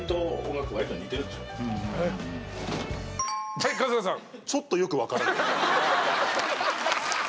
はい春日さん。